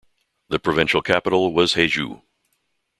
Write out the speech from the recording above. The provincial capital was Haeju.